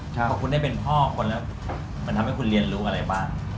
พอคุณได้เป็นพ่อคนแล้วมันทำให้คุณเรียนรู้อะไรบ้าง